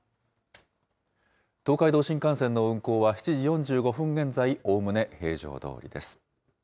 東海道新幹線の運行は、７時４５分現在、おおむね平常どおりです。